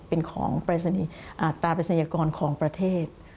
เป็นตราปรายศนียากรของประเทศ